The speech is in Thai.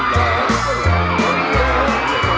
ภารามดู